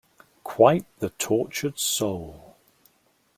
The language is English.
Quite the tortured soul.